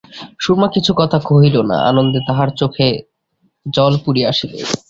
সুরমা কিছুই কথা কহিল না, আনন্দে তাহার চোখ জলে পুরিয়া আসিল।